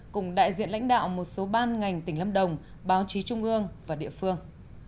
cùng đại diện lãnh đạo một số ban ngành tỉnh lâm đồng báo chí trung ương và địa phương